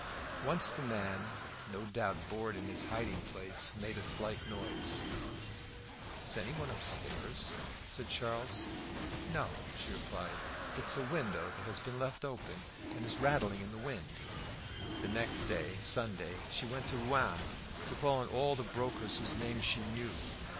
Once the man, no doubt bored in his hiding place, made a slight noise. "Is anyone walking upstairs?" said Charles. "No," she replied; "it is a window that has been left open, and is rattling in the wind." The next day, Sunday, she went to Rouen to call on all the brokers whose names she knew.